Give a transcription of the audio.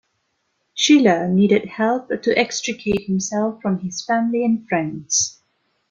Schiller needed help to extricate himself from his family and friends.